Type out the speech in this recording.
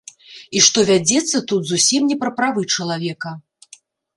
І што вядзецца тут зусім не пра правы чалавека.